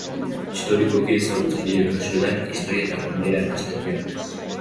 Historikoki ezagutzen diren kasuetan historia eta kondaira nahasten dira.